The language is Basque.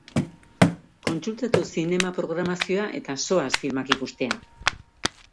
Kontsultatu zinema-programazioa eta zoaz filmak ikustera!